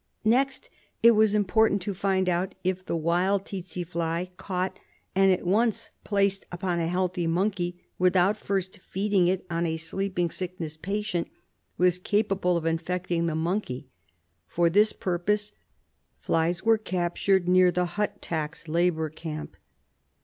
Next, it was important to find out if the wild tsetse fly, caught and at once placed upon a healthy monkey, without first feeding it on a sleeping sickness patient, was capable of infecting the monkey. For this purpose flies were captured near the hut tax labour camp.